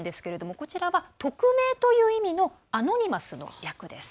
こちらは、匿名という意味のアノニマスの略です。